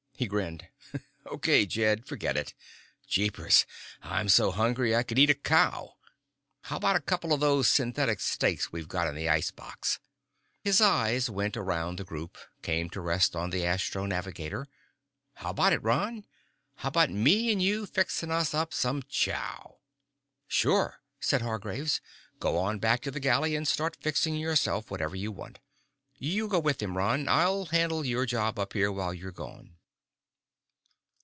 He grinned. "Okay, Jed. Forget it. Jeepers! I'm so hungry I could eat a cow. How about a couple of those synthetic steaks we got in the ice box?" His eyes went around the group, came to rest on the astro navigator. "How about it, Ron? How about me and you fixing us up some chow?" "Sure," said Hargraves. "Go on back to the galley and start fixing yourself whatever you want. You go with him, Ron. I'll handle your job up here while you're gone."